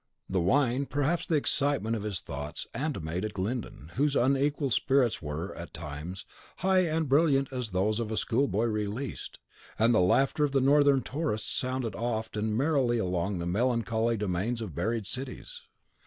The wine, perhaps the excitement of his thoughts, animated Glyndon, whose unequal spirits were, at times, high and brilliant as those of a schoolboy released; and the laughter of the Northern tourists sounded oft and merrily along the melancholy domains of buried cities.